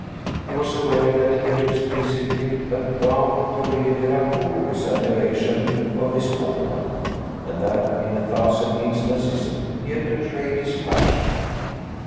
He was aware that he had explicitly avowed to Lady Delacour his admiration of Miss Portman, and that in a thousand instances he had betrayed his passion.